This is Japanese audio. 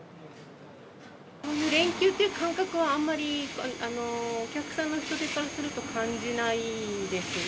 連休っていう感覚は、あんまり、お客さんの人出からすると、感じないですね。